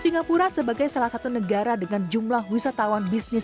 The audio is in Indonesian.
singapura sebagai salah satu negara dengan jumlah wisatawan bisnis